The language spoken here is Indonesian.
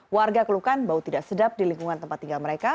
warga keluhkan bau tidak sedap di lingkungan tempat tinggal mereka